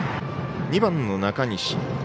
２番の中西。